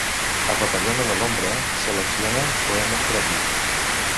A “Papallona de l'ombra”, selecciona poemes propis.